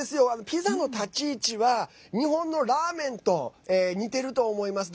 ピザの立ち位置は日本のラーメンと似てると思います。